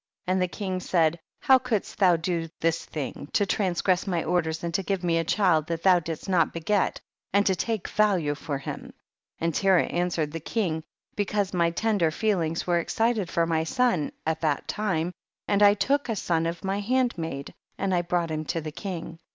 And the king said, how couldst thou do this thing, to transgress my orders and to give me a child that thou didst not beget, and to take value for him ? 14. And Terah answered the king, because my tender feelings were ex cited for my son, at that time, and I took a son of my handmaid, and I brought him to the king.